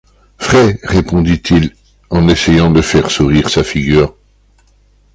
Frai, répondit-il en essayant de faire sourire sa figure.